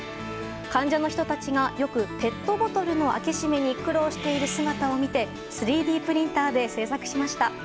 患者の人たちがよくペットボトルの開け閉めに苦労している姿を見て３Ｄプリンターで製作しました。